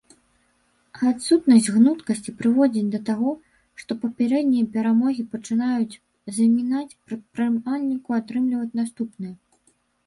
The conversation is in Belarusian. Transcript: А адсутнасць гнуткасці прыводзіць да таго, што папярэднія перамогі пачынаюць замінаць прадпрымальніку атрымліваць наступныя.